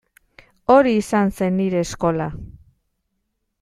Hori izan zen nire eskola.